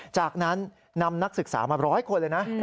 จากนั้นนำนักศึกษามา๑๐๐คนเลยนะ